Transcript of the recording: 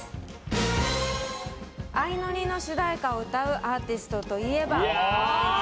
「あいのり」の主題歌を歌うアーティストといえば？